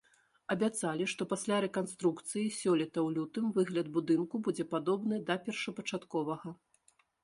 Абяцалі, што пасля рэканструкцыі сёлета ў лютым выгляд будынку будзе падобны да першапачатковага.